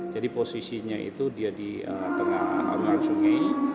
jadi posisinya itu dia di tengah anggota sungai